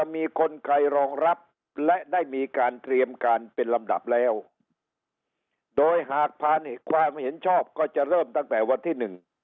มีกลไกรรองรับและได้มีการเตรียมการเป็นลำดับแล้วโดยหากผ่านความเห็นชอบก็จะเริ่มตั้งแต่วันที่หนึ่ง